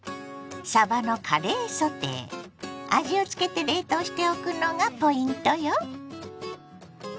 味をつけて冷凍しておくのがポイントよ。